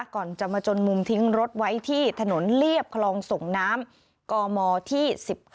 ก่อนจะมาจนมุมทิ้งรถไว้ที่ถนนเรียบคลองส่งน้ำกมที่๑๙